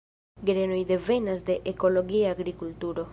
Grenoj devenas de ekologia agrikulturo.